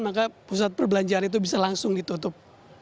maka pusat perbelanjaan itu bisa langsung ditutup